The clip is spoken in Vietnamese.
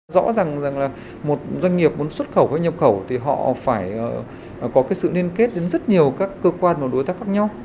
rõ ràng rằng là một doanh nghiệp muốn xuất khẩu hay nhập khẩu thì họ phải có cái sự liên kết đến rất nhiều các cơ quan và đối tác khác nhau